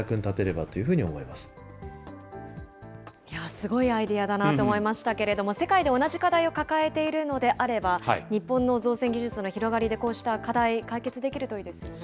すごいアイデアだなと思いましたけれども、世界で同じ課題を抱えているのであれば、日本の造船技術の広がりで、こうした課題、解決できるといいですよね。